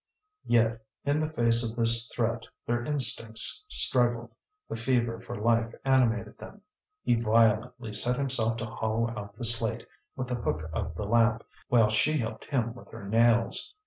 Yet in the face of this threat their instincts struggled, the fever for life animated them. He violently set himself to hollow out the slate with the hook of the lamp, while she helped him with her nails.